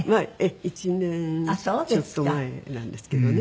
１年ちょっと前なんですけどね。